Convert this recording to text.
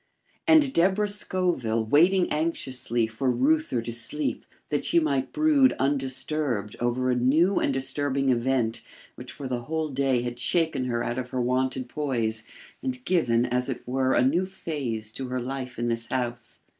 and Deborah Scoville waiting anxiously for Reuther to sleep, that she might brood undisturbed over a new and disturbing event which for the whole day had shaken her out of her wonted poise, and given, as it were, a new phase to her life in this house.